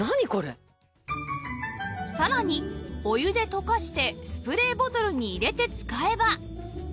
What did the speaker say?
さらにお湯で溶かしてスプレーボトルに入れて使えば